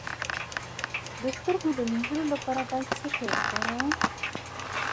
د سترګو د مینځلو لپاره باید څه شی وکاروم؟